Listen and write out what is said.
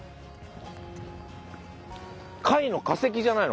貝の化石じゃないの？